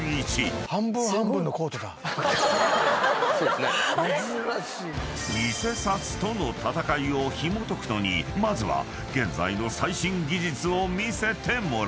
あれっ⁉［偽札との戦いをひもとくのにまずは現在の最新技術を見せてもらおう］